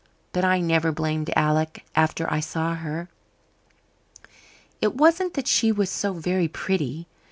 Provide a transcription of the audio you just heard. But I never blamed Alec after I saw her. It wasn't that she was so very pretty.